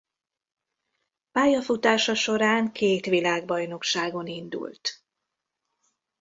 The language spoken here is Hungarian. Pályafutása során két világbajnokságon indult.